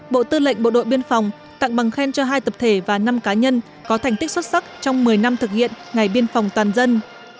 bộ tư lệnh bộ đội biên phòng tặng bằng khen cho hai tập thể và năm cá nhân có thành tích xuất sắc trong một mươi năm thực hiện ngày biên phòng toàn dân